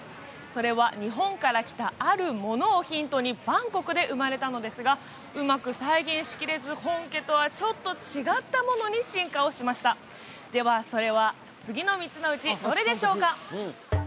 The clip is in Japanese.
それは日本から来たあるものをヒントにバンコクで生まれたのですがうまく再現しきれず本家とはちょっと違ったものに進化をしましたではそれは次の３つのうちどれでしょうか？